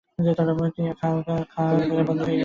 মুক্তিয়ার খাঁ কহিল, তিনি বন্দী হইয়াছেন।